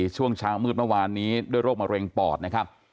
ช่วงเช้ามืดเมื่อวานนี้ด้วยโรคมะเร็งปอดนะครับ